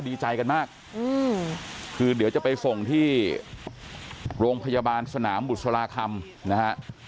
ดีใจกันมากคือเดี๋ยวจะไปส่งที่โรงพยาบาลสนามบุษราคำนะฮะ